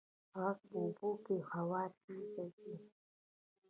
غږ په اوبو کې له هوا تېز ځي.